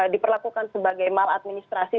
diperlakukan sebagai mal administrasi